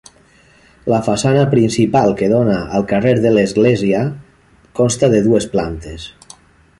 La façana principal que dóna al carrer de l'església consta de dues plantes.